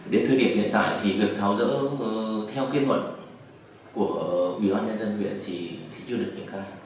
đến thời điểm hiện tại thì việc tháo dỡ theo kết luận của ủy ban nhân dân huyện thì chưa được nhận ra